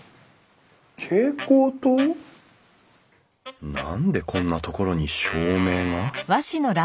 蛍光灯？何でこんなところに照明が？